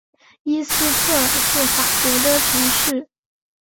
伊斯特尔是法国的城市。